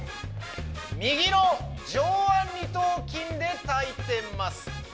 右の上腕二頭筋で炊いてます。